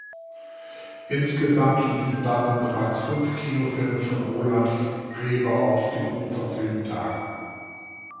Insgesamt liefen damit bereits fünf Kinofilme von Roland Reber auf den Hofer Filmtagen.